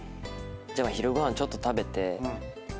昼ご飯ちょっと食べて。